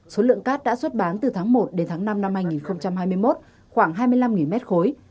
số lượng cát đã xuất bán từ tháng một đến tháng năm năm hai nghìn hai mươi một khoảng hai mươi năm mét khối